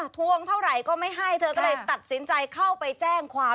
ทวงเท่าไหร่ก็ไม่ให้เธอก็เลยตัดสินใจเข้าไปแจ้งความ